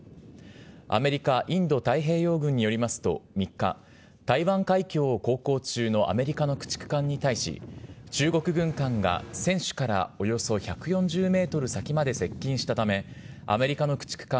アメリカインド太平洋軍によりますと、３日、台湾海峡を航行中のアメリカの駆逐艦に対し、中国軍艦が船首からおよそ１４０メートル先まで接近したため、アメリカの駆逐艦